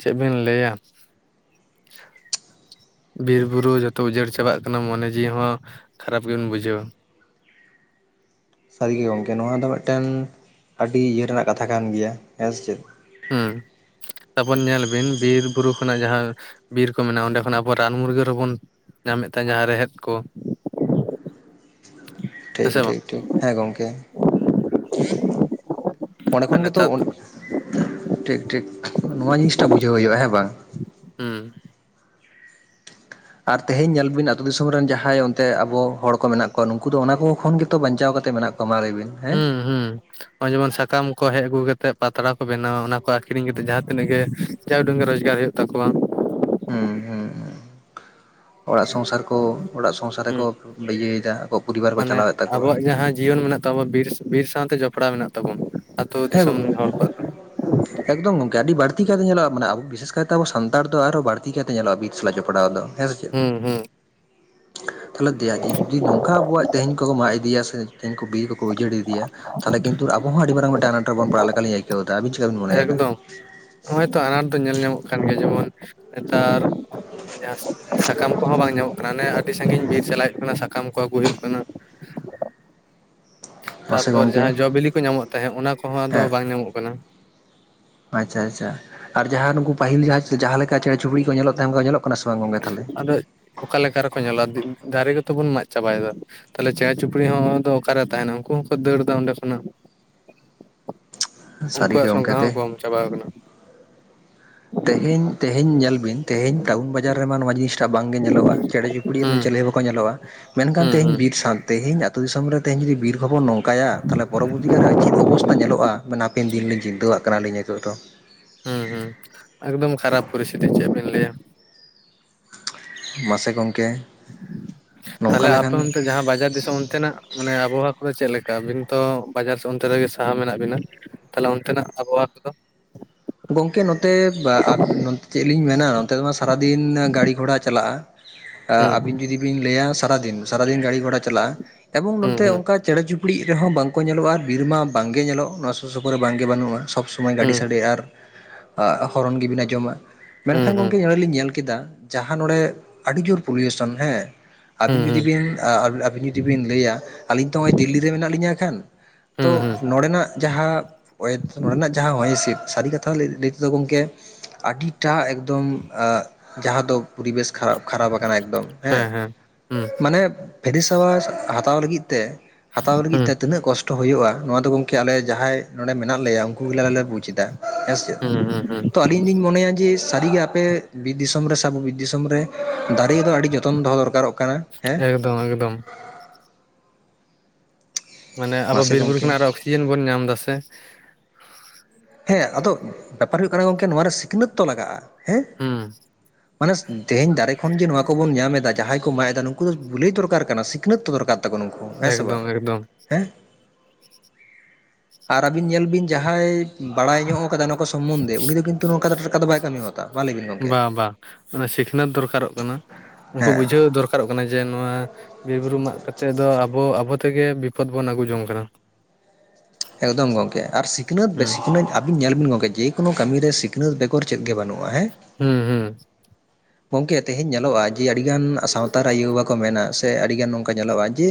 ᱪᱮᱫ ᱵᱤᱱ ᱞᱟᱹᱭᱟ ᱵᱤᱨ ᱵᱩᱨᱩ ᱡᱷᱚᱛᱚ ᱩᱡᱟᱹᱲ ᱪᱟᱵᱟᱜ ᱠᱟᱱᱟ ᱢᱚᱱᱮ ᱡᱤᱣᱤ ᱦᱚᱸ ᱠᱷᱟᱨᱟᱯ ᱜᱮ ᱵᱤᱱ ᱵᱩᱡᱷᱟᱹᱣᱟ ᱥᱟᱹᱨᱤ ᱜᱮ ᱜᱚᱢᱠᱮ ᱱᱚᱣᱟ ᱫᱚ ᱢᱤᱫᱴᱮᱱ ᱟᱹᱰᱤ ᱤᱭᱟᱹ ᱨᱮᱱᱟᱜ ᱠᱟᱛᱷᱟ ᱠᱟᱱ ᱜᱮᱭᱟ ᱦᱮᱸ ᱪᱮᱫ ᱦᱮᱸ ᱛᱟᱨ ᱯᱚᱨᱮ ᱧᱮᱞ ᱵᱤᱱ ᱵᱤᱨ ᱵᱩᱨᱩ ᱠᱷᱚᱱᱟᱜ ᱡᱟᱦᱟᱸ ᱵᱤᱨ ᱠᱚ ᱢᱮᱱᱟᱜᱼᱟ ᱚᱸᱰᱮ ᱠᱷᱚᱱ ᱟᱵᱚ ᱨᱟᱱ ᱢᱩᱨᱜᱟᱹᱱ ᱨᱮᱵᱚᱱ ᱧᱟᱢ ᱮᱫ ᱛᱟᱦᱮᱱ ᱡᱟᱦᱟᱸ ᱨᱮᱦᱮᱫ ᱠᱚ ᱦᱮᱸ ᱴᱷᱤᱠ ᱥᱮ ᱵᱟᱝ ᱴᱷᱤᱠ ᱴᱷᱤᱠ ᱦᱮᱸ ᱜᱚᱢᱠᱮ ᱚᱸᱰᱮ ᱟᱨ ᱠᱷᱚᱱ ᱜᱮᱛᱚ ᱱᱮᱛᱟᱨ ᱴᱷᱤᱠ ᱴᱷᱤᱠ ᱱᱚᱣᱟ ᱡᱤᱱᱤᱥᱴᱟ ᱵᱩᱡᱷᱟᱹᱣ ᱦᱩᱭᱩᱜᱼᱟ ᱦᱮᱸ ᱵᱟᱝ ᱦᱮᱸ <inaudible> ᱟᱨ ᱛᱮᱦᱮᱧ ᱧᱮᱞ ᱵᱤᱱ ᱟᱛᱩ ᱫᱤᱥᱚᱢ ᱨᱮᱱ ᱡᱟᱸᱦᱟᱸᱭ ᱚᱱᱛᱮ ᱟᱵᱚ ᱦᱚᱲ ᱠᱚ ᱢᱮᱱᱟᱜ ᱠᱚᱣᱟ ᱱᱩᱝᱠᱩ ᱫᱚ ᱚᱱᱟ ᱠᱚ ᱠᱷᱚᱱ ᱜᱮᱛᱚ ᱵᱟᱧᱪᱟᱣ ᱠᱟᱛᱮ ᱢᱮᱱᱟᱜ ᱠᱚ ᱢᱟᱨᱮᱵᱤᱱ ᱦᱩᱸ ᱦᱩᱸ ᱱᱚᱜᱼᱚᱭ ᱡᱮᱢᱚᱱ ᱥᱟᱠᱟᱢ ᱠᱚ ᱦᱮᱡ ᱟᱹᱜᱩ ᱠᱟᱛᱮᱜ ᱯᱟᱛᱲᱟ ᱠᱚ ᱵᱮᱱᱟᱣᱟ ᱚᱱᱟ ᱠᱚ ᱟᱠᱷᱨᱤᱧ ᱠᱟᱛᱮ ᱡᱟᱸᱦᱟᱸ ᱛᱤᱱᱟᱹᱜ ᱜᱮ ᱡᱟ ᱩᱰᱩᱝᱜᱮ ᱨᱚᱡᱽᱜᱟᱨ ᱦᱳᱭᱳᱜ ᱛᱟᱠᱚᱣᱟ ᱦᱩᱸ ᱦᱩᱸ ᱦᱩᱸ ᱚᱲᱟᱜ ᱥᱚᱝᱥᱟᱨ ᱠᱚ ᱚᱲᱟᱜ ᱥᱚᱝᱥᱟᱨ ᱦᱩᱸ ᱨᱮᱠᱚ ᱵᱤᱭᱟᱹᱭᱮᱫᱟ ᱟᱠᱚ ᱢᱟᱱᱮ ᱟᱵᱚᱣᱟᱜ ᱡᱟᱸᱦᱟᱸ ᱡᱤᱭᱚᱱ ᱢᱮᱱᱟᱜ ᱛᱟᱵᱚ ᱵᱤᱨ ᱵᱤᱨ ᱥᱟᱶᱛᱮ ᱡᱚᱯᱲᱟᱣ ᱢᱮᱱᱟᱜ ᱛᱟᱵᱚᱱ ᱟᱛᱩ ᱦᱮᱸ ᱫᱤᱥᱚᱢ ᱨᱮᱱ ᱜᱚᱝᱠᱮ ᱦᱚᱲ ᱠᱚᱣᱟᱜ ᱫᱚ ᱮᱠᱫᱚᱢ ᱜᱚᱝᱠᱮ ᱟᱰᱤ ᱵᱟᱲᱛᱤ ᱠᱟᱭᱛᱮ ᱧᱮᱞᱚᱜᱼᱟ ᱢᱟᱱᱮ ᱟᱵᱚ ᱵᱤᱥᱮᱥ ᱠᱟᱭᱛᱮ ᱟᱵᱚ ᱥᱟᱱᱛᱟᱲ ᱫᱚ ᱟᱨᱦᱚᱸ ᱵᱟᱲᱛᱤ ᱠᱟᱭᱛᱮ ᱧᱮᱞᱚᱜᱼᱟ ᱵᱤᱨ ᱥᱟᱞᱟᱜ ᱡᱚᱯᱲᱟᱣ ᱫᱚ ᱦᱩᱸ ᱦᱩᱸ ᱛᱟᱞᱦᱮ ᱫᱮᱭᱟ ᱜᱤᱱ ᱡᱩᱤ ᱱᱚᱝᱠᱟ ᱟᱵᱚᱣᱟᱜ ᱛᱮᱦᱮᱧ ᱠᱚᱠᱚ ᱢᱟᱜ ᱤᱫᱤᱭᱟ ᱥᱮ ᱠᱤᱱᱠᱩ ᱵᱤᱨ ᱠᱚᱠᱚ ᱩᱡᱟᱹᱲ ᱤᱫᱤᱭᱟ ᱛᱟᱦᱞᱮ ᱠᱤᱱᱛᱩᱨ ᱟᱵᱚ ᱦᱚᱸ ᱟᱰᱤ ᱢᱟᱨᱟᱝ ᱢᱤᱫᱟᱝ ᱟᱱᱟᱴ ᱨᱮᱵᱚᱱ ᱯᱟᱲᱟᱜ ᱞᱮᱠᱟ ᱞᱤᱧ ᱟᱹᱭᱠᱟᱹᱣᱟ ᱵᱩᱡᱷᱟᱹᱣᱫᱟ ᱟᱵᱤᱱ ᱪᱮᱠᱟ ᱵᱤᱱ ᱢᱚᱱᱮᱭᱫᱟ ᱮᱠᱫᱚᱢ ᱱᱚᱜᱼᱚᱭ ᱛᱚ ᱟᱱᱟᱴ ᱫᱚ ᱧᱮᱞ ᱧᱟᱢᱚᱜ ᱠᱟᱱ ᱜᱮᱭᱟ ᱡᱮᱢᱚᱱ ᱱᱮᱛᱟᱨ ᱡᱟᱸᱦᱟᱸ ᱥᱟᱠᱟᱢ ᱠᱚᱸᱦᱚᱸ ᱵᱟᱝ ᱧᱟᱢᱚᱜ ᱠᱟᱱᱟ ᱚᱱᱮ ᱟᱹᱰᱤ ᱥᱟᱜᱤᱧ ᱵᱤᱨ ᱪᱟᱞᱟᱜ ᱦᱩᱭᱩᱜ ᱠᱟᱱᱟ ᱠᱟᱢ ᱠᱚ ᱟᱹᱜᱩ ᱦᱩᱭᱩᱜ ᱠᱟᱱᱟ ᱢᱟᱥᱮ ᱛᱟᱯᱚᱨ ᱜᱚᱝᱠᱮ ᱡᱟᱸᱦᱟᱸ ᱡᱚ ᱵᱤᱞᱤ ᱠᱚ ᱧᱟᱢᱚᱜ ᱛᱟᱦᱮᱸᱫ ᱚᱱᱟ ᱠᱚᱸᱦᱚᱸ ᱟᱫᱚ ᱦᱮᱸ ᱵᱟᱝ ᱧᱟᱢᱚᱜ ᱠᱟᱱᱟ ᱟᱪᱪᱷᱟ ᱟᱪᱪᱷᱟ ᱟᱨ ᱡᱟᱸᱦᱟᱸ ᱱᱩᱝᱠᱩ ᱯᱟᱦᱤᱞ ᱡᱟᱸᱦᱟᱸ ᱡᱟᱸᱦᱟᱸ ᱞᱮᱠᱟ ᱪᱮᱬᱮ ᱪᱩᱯᱲᱤ ᱠᱚ ᱧᱮᱞᱚᱜ ᱛᱟᱦᱮᱸ ᱚᱝᱠᱟ ᱠᱚ ᱧᱮᱞᱚᱜ ᱠᱟᱱᱟ ᱥᱮ ᱵᱟᱝ ᱜᱚᱝᱠᱮ ᱛᱟᱦᱚᱞᱮ ᱟᱫᱚ ᱚᱠᱟ ᱞᱮᱠᱟ ᱨᱮᱠᱚ ᱧᱮᱞᱚᱜᱼᱟ ᱫᱟᱨᱮ ᱜᱮᱛᱚ ᱵᱩᱱ ᱢᱟᱜ ᱪᱟᱵᱟᱭᱟᱫᱟ ᱛᱟᱦᱞᱮ ᱪᱮᱬᱮ ᱪᱩᱯᱲᱤ ᱦᱚᱸ ᱫᱚ ᱚᱠᱟᱨᱮ ᱛᱟᱦᱮᱱᱟ ᱩᱱᱠᱩ ᱦᱚᱸᱠᱚ ᱫᱟᱹᱲᱫᱟ ᱚᱸᱰᱮ ᱠᱷᱚᱱᱟᱜ ᱥᱟᱹᱨᱤ ᱜᱮ ᱩᱱᱠᱩᱣᱟᱜ ᱥᱚᱝᱠᱷᱟ ᱜᱚᱝᱠᱮ ᱦᱚᱸ ᱛᱮ ᱠᱚᱢ ᱪᱟᱵᱟᱣ ᱟᱠᱟᱱᱟ ᱛᱮᱦᱮᱧ ᱛᱮᱦᱮᱧ ᱧᱮᱞ ᱵᱤᱱ ᱛᱮᱦᱮᱧ ᱴᱟᱣᱩᱱ ᱵᱟᱡᱟᱨ ᱨᱮᱢᱟ ᱱᱚᱣᱟ ᱡᱤᱱᱤᱥ ᱴᱟᱜ ᱵᱟᱝ ᱜᱮ ᱧᱮᱞᱚᱜᱼᱟ ᱪᱮᱬᱮ ᱪᱩᱯᱲᱤ ᱨᱮᱱ ᱦᱩᱸ ᱪᱮᱞᱮ ᱵᱟ ᱠᱚ ᱧᱮᱞᱚᱜᱼᱟ ᱢᱮᱱᱠᱷᱟᱱ ᱦᱩᱸ ᱛᱮᱦᱤᱧ ᱦᱩᱸ ᱵᱤᱨ ᱥᱟᱶ ᱛᱮᱦᱤᱧ ᱟᱛᱳ ᱫᱤᱥᱚᱢ ᱨᱮ ᱛᱮᱦᱮᱧ ᱡᱩᱫᱤ ᱵᱤᱨ ᱦᱚᱵᱚᱱ ᱱᱚᱝᱠᱟ ᱠᱟᱭᱟ ᱛᱟᱦᱞᱮ ᱯᱚᱨᱚᱵᱚᱨᱛᱤ ᱠᱟᱞᱨᱮ ᱪᱮᱫ ᱚᱵᱚᱥᱛᱟ ᱧᱮᱞᱚᱜᱼᱟ ᱢᱟᱱᱮ ᱦᱟᱯᱮᱱ ᱫᱤᱱ ᱞᱤᱧ ᱪᱤᱱᱛᱟᱹᱣᱟᱜ ᱠᱟᱱᱟᱞᱤᱧ ᱱᱤᱛᱚᱜ ᱫᱚ ᱦᱩᱸ ᱦᱩᱸ ᱮᱠᱫᱚᱢ ᱠᱷᱟᱨᱟᱯ ᱯᱚᱨᱤᱥᱛᱷᱤᱛᱤ ᱪᱮᱫ ᱵᱤᱱ ᱞᱟᱹᱭᱟ ᱢᱟᱥᱮ ᱜᱚᱝᱠᱮ ᱱᱚᱝᱠᱟ ᱛᱟᱞᱦᱮ ᱟᱯᱮ ᱞᱮᱠᱷᱟᱱ ᱚᱱᱛᱮ ᱡᱟᱸᱦᱟᱸ ᱵᱟᱡᱟᱨ ᱫᱤᱥᱚᱢ ᱚᱱᱛᱮᱱᱟᱜ ᱢᱟᱱᱮ ᱟᱵᱚᱦᱟᱣᱟ ᱠᱚᱫᱚ ᱪᱮᱫ ᱞᱮᱠᱟ ᱟᱹᱵᱤᱱ ᱛᱚ ᱵᱟᱡᱟᱨ ᱥᱮ ᱚᱱᱛᱮ ᱨᱮᱜᱮ ᱥᱟᱦᱟ ᱢᱮᱱᱟᱜ ᱵᱤᱱᱟ ᱛᱟᱞᱦᱮ ᱚᱱᱛᱮᱱᱟᱜ ᱟᱵᱚᱦᱟᱣᱟ ᱠᱚᱫᱚ ᱜᱚᱝᱠᱮ ᱱᱚᱛᱮ <unintelligible> ᱪᱮᱫ ᱞᱤᱧ ᱢᱮᱱᱟ ᱱᱚᱱᱛᱮ ᱢᱟ ᱥᱟᱨᱟᱫᱤᱱ ᱜᱟᱹᱲᱤ ᱜᱷᱚᱲᱟ ᱪᱟᱞᱟᱜᱼᱟ ᱟᱹᱵᱤᱱ ᱦᱩᱸ ᱡᱩᱫᱤ ᱵᱤᱱ ᱞᱟᱹᱭᱟ ᱥᱟᱨᱟᱫᱤᱱ ᱥᱟᱨᱟᱫᱤᱱ ᱜᱟᱹᱲᱤ ᱜᱷᱚᱲᱟ ᱪᱟᱞᱟᱜᱼᱟ ᱮᱵᱚᱝ ᱦᱩᱸ ᱱᱚᱱᱛᱮ ᱦᱩᱸ ᱚᱝᱠᱟ ᱪᱮᱬᱮ ᱪᱩᱯᱲᱤᱪ ᱨᱮᱦᱚᱸ ᱵᱟᱝᱠᱚ ᱧᱮᱞᱚᱜᱼᱟ ᱟᱨ ᱵᱤᱨᱢᱟ ᱵᱟᱝᱜᱮ ᱧᱮᱞᱚᱜ ᱱᱚᱣᱟ ᱥᱩᱨ ᱥᱩᱯᱩᱨ ᱨᱮ ᱵᱟᱝ ᱜᱮ ᱵᱟᱹᱱᱩᱜᱼᱟ ᱥᱚᱵ ᱥᱚ ᱥᱚᱢᱚᱭ ᱜᱟᱹᱰᱤ ᱦᱩᱸ ᱥᱟᱰᱮ ᱟᱨ ᱦᱚᱨᱚᱱ ᱜᱤᱵᱤᱱ ᱟᱸᱡᱚᱢᱟ ᱦᱩᱸ ᱢᱮᱱᱠᱷᱟᱱ ᱦᱩᱸ ᱜᱚᱝᱠᱮ ᱟᱞᱤᱧ ᱧᱮᱞ ᱠᱮᱫᱟ ᱡᱟᱦᱟᱸ ᱱᱚᱰᱮ ᱟᱹᱰᱤ ᱡᱳᱨ ᱯᱚᱞᱭᱩᱥᱚᱱ ᱦᱮᱸ ᱦᱩᱸ ᱟᱹᱵᱤᱱ ᱡᱩᱫᱤ ᱦᱩᱸ ᱵᱤᱱ ᱟᱹᱵᱤᱱ ᱡᱩᱫᱤ ᱵᱤᱱ ᱞᱟᱹᱭᱟ ᱟᱹᱞᱤᱧ ᱛᱚ ᱱᱚᱜᱼᱚᱭ ᱫᱤᱞᱞᱤ ᱨᱮ ᱢᱮᱱᱟᱜ ᱞᱤᱧᱟᱹ ᱠᱷᱟᱱ ᱛᱚ ᱦᱩᱸ ᱦᱩᱸ ᱱᱚᱸᱰᱮᱱᱟᱜ ᱡᱟᱸᱦᱟᱸ ᱱᱚᱸᱰᱮᱱᱟᱜ ᱡᱟᱦᱟᱸ ᱦᱚᱭ ᱦᱤᱸᱥᱤᱫ ᱥᱟᱹᱨᱤ ᱠᱟ ᱛᱷᱟ ᱞᱟᱹᱭ ᱛᱮᱫᱚ ᱜᱚᱝᱠᱮ ᱟᱹᱰᱤᱴᱟᱜ ᱮᱠᱫᱚᱢ ᱡᱟᱦᱟᱸ ᱫᱚ ᱯᱚᱨᱤᱵᱮᱥ ᱠᱷᱟᱨᱟᱯ ᱠᱷᱟᱨᱟᱯ ᱟᱠᱟᱱᱟ ᱮᱠᱫᱚᱢ ᱦᱮᱸ ᱢᱟᱱᱮ ᱯᱷᱮᱨᱤᱥ ᱦᱟᱣᱟ ᱦᱟᱛᱟᱣ ᱞᱟᱹᱜᱤᱫ ᱛᱮ ᱦᱟᱛᱟᱣ ᱞᱟᱹᱜᱤᱫ ᱦᱩᱸ ᱛᱮ ᱛᱤᱱᱟᱹᱜ ᱠᱚᱥ ᱴᱚ ᱦᱳᱭᱩᱜᱼᱟ ᱱᱚᱣᱟ ᱫᱚ ᱜᱚᱝᱠᱮ ᱟᱞᱮ ᱡᱟᱦᱟᱸᱭ ᱱᱚᱰᱮ ᱢᱮᱱᱟᱜ ᱞᱮᱭᱟ ᱩᱝᱠᱩ ᱜᱮᱞᱮ ᱟᱞᱮ ᱞᱮ ᱵᱩᱡᱽ ᱮᱫᱟ ᱦᱩᱸ ᱦᱩᱸ ᱦᱩᱸ <unintelligible> ᱤᱧ ᱫᱩᱧ ᱢᱚᱱᱮᱭᱟ ᱡᱮ ᱥᱟᱹᱨᱤᱜᱮ ᱟᱯᱮ ᱵᱤᱨ ᱫᱤᱥᱚᱢ ᱨᱮ ᱥᱮ ᱟᱵᱚ ᱫᱤᱥᱚᱢ ᱨᱮ ᱫᱟᱨᱮ ᱫᱚ ᱟᱹᱰᱤ ᱡᱚᱛᱚᱱ ᱫᱚᱦᱚ ᱫᱚᱨᱠᱟᱨᱚᱜ ᱠᱟᱱᱟ ᱦᱮᱸ ᱮᱠᱫᱚᱢ ᱮᱠᱫᱚᱢ ᱢᱟᱱᱮ ᱟᱵᱚ ᱢᱟᱥᱮ ᱵᱤᱨ ᱵᱩᱨᱩ ᱜᱚᱝᱠᱮ ᱠᱷᱚᱱᱟᱜ ᱟᱨᱚ ᱚᱠᱥᱤᱡᱮᱱ ᱵᱚᱱ ᱧᱟᱢ ᱫᱟᱥᱮ ᱦᱮᱸ ᱟᱫᱚ ᱵᱮᱯᱟᱨ ᱦᱩᱭᱩᱜ ᱠᱟᱱᱟ ᱜᱚᱝᱠᱮ ᱱᱚᱣᱟ ᱨᱮ ᱥᱤᱠᱷᱱᱟᱹᱛ ᱛᱚ ᱞᱟᱜᱟᱜᱼᱟ ᱦᱮᱸ ᱦᱩᱸ ᱢᱟᱱᱮ ᱛᱮᱦᱮᱧ ᱫᱟᱨᱮ ᱠᱷᱚᱱ ᱡᱮ ᱱᱚᱣᱟ ᱠᱚᱵᱚᱱ ᱧᱟᱢ ᱮᱫᱟ ᱡᱟᱦᱟᱸᱭ ᱠᱚ ᱢᱟᱜ ᱮᱫᱟ ᱱᱩᱠᱩ ᱫᱚ ᱞᱟᱹᱭ ᱫᱚᱨᱠᱟᱨ ᱠᱟᱱᱟ ᱥᱤᱠᱷᱱᱟᱹᱛ ᱫᱚᱨᱠᱟᱨ ᱛᱟᱠᱚ ᱱᱩᱝ ᱦᱮᱸ ᱥᱮ ᱵᱟ ᱮᱠᱫᱚᱢ ᱮᱠᱫᱚᱢ ᱦᱮᱸ ᱟᱨ ᱟᱹᱵᱤᱱ ᱧᱮᱞ ᱵᱤᱱ ᱡᱟᱦᱟᱸᱭ ᱵᱟᱲᱟᱭ ᱧᱚᱜ ᱟᱠᱟᱫᱟ ᱥᱚᱢᱚᱱᱫᱷᱮ ᱩᱱᱤ ᱫᱚ ᱠᱤᱱᱛᱩ ᱱᱚᱝᱠᱟ ᱴᱟᱴᱠᱟ ᱫᱚ ᱵᱟᱭ ᱠᱟᱹᱢᱤ ᱜᱚᱫᱟ ᱢᱟ ᱞᱟᱹᱭ ᱵᱤᱱ ᱵᱟᱝ ᱜᱚᱝᱠᱮ ᱵᱟᱝ ᱚᱱᱟ ᱥᱤᱠᱷᱱᱟᱹᱛ ᱫᱚᱨᱠᱟᱨᱚᱜ ᱠᱟᱱᱟ ᱩᱱᱠᱩ ᱦᱮᱸ ᱵᱩᱡᱷᱟᱹᱣ ᱫᱚᱨᱠᱟᱨᱚᱜ ᱠᱟᱱᱟ ᱡᱮ ᱱᱚᱣᱟ ᱵᱤᱨᱼᱵᱩᱨᱩ ᱢᱟᱜᱠᱟᱛᱮᱜ ᱫᱚ ᱟᱵᱚ ᱟᱵᱚ ᱛᱮᱜᱮ ᱵᱤᱯᱚᱫᱽ ᱵᱚᱱ ᱟᱹᱜᱩ ᱡᱚᱝ ᱠᱟᱱᱟ ᱮᱠᱫᱚᱢ ᱜᱚᱝᱠᱮ ᱟᱨ ᱥᱤᱠᱷᱱᱟᱹᱛ ᱵᱮᱥᱤ ᱦᱩᱸ ᱥᱤᱠᱷᱱᱟᱹᱛ ᱟᱹᱵᱤᱱ ᱧᱮᱞ ᱵᱤᱱ ᱜᱚᱝᱠᱮ ᱡᱮᱠᱳᱱᱳ ᱠᱟᱹᱢᱤ ᱨᱮ ᱥᱤᱠᱷᱱᱟᱹᱛ ᱵᱮᱜᱚᱨ ᱪᱮᱫ ᱜᱮ ᱵᱟᱹᱱᱩᱜᱼᱟ ᱦᱮᱸ ᱦᱮᱸ ᱦᱮᱸ ᱜᱚᱢᱠᱮ ᱛᱮᱦᱮᱧ ᱧᱮᱞᱚᱜᱼᱟ ᱡᱮ ᱟᱹᱰᱤᱜᱟᱱ ᱥᱟᱶᱛᱟᱨᱮ ᱟᱭᱳ ᱵᱟᱵᱟᱠᱚ ᱢᱮᱱᱟ ᱥᱮ ᱟᱹᱰᱤᱜᱟᱱ ᱱᱚᱝᱠᱟ ᱧᱮᱞᱚᱜᱼᱟ ᱡᱮ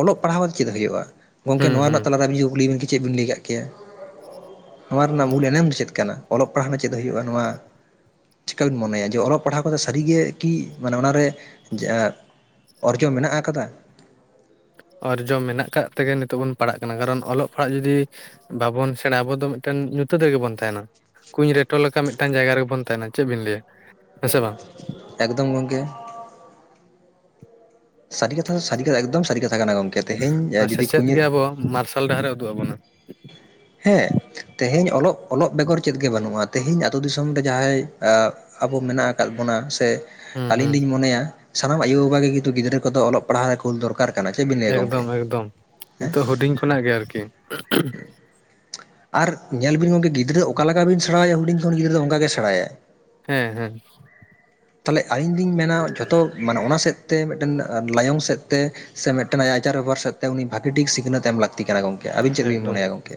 ᱚᱞᱚᱜ ᱯᱟᱲᱦᱟᱣ ᱠᱟᱛᱮᱜ ᱪᱮᱫ ᱦᱩᱭᱩᱜᱼᱟ? ᱜᱚᱢᱠᱮ ᱦᱩᱸ ᱱᱚᱣᱟ ᱦᱩᱸ ᱨᱮᱱᱟᱜ ᱛᱮᱞᱟᱨᱮ ᱟᱹᱵᱤᱱ ᱠᱩᱞᱤ ᱵᱤᱱ ᱠᱮᱭᱟ ᱪᱮᱫ ᱵᱤᱱ ᱞᱟᱹᱭ ᱠᱟᱜ ᱠᱮᱭᱟ ᱱᱚᱣᱟ ᱨᱮᱱᱟᱜ ᱢᱩᱞ ᱮᱱᱮᱢ ᱫᱚ ᱪᱮᱫ ᱠᱟᱱᱟ ᱚᱞᱚᱜ ᱯᱟᱲᱦᱟᱜ ᱨᱮᱱᱟᱜ ᱪᱮᱫ ᱦᱩᱭᱩᱜᱼᱟ ᱱᱚᱣᱟ ᱪᱤᱠᱠᱟ ᱵᱮᱱ ᱢᱚᱱᱮᱭᱟ ᱡᱮ ᱚᱞᱚᱜ ᱯᱟᱲᱦᱟᱣ ᱠᱟᱛᱮ ᱥᱟᱹᱨᱤᱜᱮ ᱠᱤ ᱢᱟᱱᱮ ᱚᱱᱟᱨᱮ ᱚᱨᱡᱚ ᱢᱮᱱᱟᱜ ᱟᱠᱟᱫᱟ ᱚᱨᱡᱚ ᱢᱮᱱᱟᱜ ᱠᱟᱫ ᱛᱮᱜᱮ ᱱᱤᱛᱚᱜ ᱵᱚᱱ ᱯᱟᱲᱟᱜ ᱠᱟᱱᱟ ᱠᱟᱨᱚᱱ ᱚᱞᱚᱜ ᱯᱟᱲᱦᱟᱜ ᱡᱚᱫᱤ ᱵᱟᱵᱚᱱ ᱥᱮᱬᱟ ᱟᱵᱚ ᱫᱚ ᱢᱤᱫᱴᱮᱱ ᱧᱩᱛᱟᱹᱛ ᱜᱮᱵᱚᱱ ᱛᱟᱦᱮᱱᱟ ᱠᱩᱸᱧ ᱨᱮᱴᱚ ᱞᱮᱠᱟ ᱢᱤᱫᱴᱟᱱ ᱡᱟᱭᱜᱟ ᱨᱮᱵᱚᱱ ᱛᱟᱦᱮᱱᱟ ᱪᱮᱫ ᱵᱤᱱ ᱞᱟᱹᱭᱟ ᱦᱮᱸ ᱥᱮ ᱵᱟᱝ ᱮᱠᱫᱚᱢ ᱜᱚᱢᱠᱮ ᱥᱟᱹᱨᱤ ᱠᱟᱛᱷᱟ ᱥᱟᱹᱨᱤ ᱠᱟᱛᱷᱟ ᱮᱠᱫᱚᱢ ᱥᱟᱹᱨᱤ ᱠᱟᱛᱷᱟ ᱠᱟᱱᱟ ᱜᱚᱢᱠᱮ ᱛᱮᱦᱤᱧ ᱟᱨ ᱡᱩᱫᱤ ᱥᱮᱪᱮᱫ ᱜᱮ ᱠᱩᱧᱟᱹᱜ ᱟᱵᱚ ᱢᱟᱨᱥᱟᱞ ᱰᱟᱦᱟᱨᱮ ᱩᱫᱩᱜ ᱟᱵᱚᱱᱟ ᱦᱮᱸ ᱛᱮᱦᱤᱧ ᱚᱞᱚᱜ ᱵᱮᱜᱚᱨ ᱪᱮᱫ ᱜᱮ ᱵᱟᱹᱱᱩᱜᱼᱟ ᱛᱮᱦᱤᱧ ᱟᱛᱳ ᱫᱤᱥᱚᱢ ᱨᱮ ᱡᱟᱦᱟᱸᱭ ᱟᱵᱚ ᱢᱮᱱᱟᱜ ᱟᱠᱟᱫ ᱵᱚᱱᱟ ᱥᱮ ᱦᱩᱸ ᱟᱹᱞᱤᱧ ᱦᱩᱸ ᱞᱤᱧ ᱢᱚᱱᱮᱭᱟ ᱥᱟᱱᱟᱢ ᱟᱭᱳᱼᱵᱟᱵᱟ ᱜᱮ ᱠᱤᱱᱛᱩ ᱜᱤᱫᱽᱨᱟᱹ ᱠᱚᱫᱚ ᱚᱞᱚᱜ ᱯᱟᱲᱦᱟᱜ ᱨᱮ ᱠᱩᱞ ᱫᱚᱨᱠᱟᱨ ᱠᱟᱱᱟ ᱪᱮᱫ ᱵᱤᱱ ᱞᱟᱹᱭᱟ ᱜᱚᱝᱠᱮ ᱮᱠᱫᱚᱢ ᱮᱠᱫᱚᱢ ᱱᱤᱛᱚᱜ ᱦᱩᱰᱤᱧ ᱠᱷᱚᱱᱟᱜ ᱜᱮ ᱟᱨᱠᱤ ᱟᱨ ᱧᱮᱞ ᱵᱤᱱ ᱜᱚᱢᱠᱮ ᱜᱤᱫᱽᱨᱟᱹ ᱚᱠᱟ ᱞᱮᱠᱟ ᱵᱤᱱ ᱥᱮᱬᱟᱭᱟ ᱦᱩᱰᱤᱧ ᱠᱷᱚᱱ ᱜᱤᱫᱽᱨᱟᱹ ᱚᱱᱠᱟ ᱜᱮ ᱥᱮᱬᱟᱭᱟ ᱦᱮᱸ ᱦᱮᱸ ᱛᱟᱦᱚᱞᱮ ᱟᱹᱞᱤᱧ ᱫᱩᱧ ᱢᱮᱱᱟ ᱡᱷᱚᱛᱚ ᱢᱟᱱᱮ ᱚᱱᱟ ᱥᱮᱫ ᱛᱮ ᱢᱤᱫᱴᱮᱱ ᱞᱟᱭᱚᱝ ᱥᱮᱫ ᱛᱮ ᱥᱮ ᱢᱤᱫᱴᱮᱱ ᱟᱡᱼᱟᱜ ᱟᱪᱟᱨ ᱵᱮᱵᱚᱦᱟᱨ ᱥᱮᱫ ᱛᱮ ᱩᱱᱤ ᱵᱷᱟᱹᱜᱤ ᱴᱷᱤᱠ ᱥᱤᱠᱷᱱᱟᱹᱛ ᱮᱢ ᱞᱟᱹᱠᱛᱤ ᱠᱟᱱᱟ ᱜᱚᱢᱠᱮ ᱟᱹᱵᱤᱱ ᱪᱮᱫ ᱮᱠᱫᱚᱢ᱾ ᱵᱤᱱ ᱢᱚᱱᱮᱭᱟ ᱜᱚᱢᱠᱮ